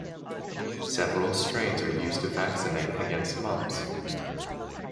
Several strains are used to vaccinate against mumps.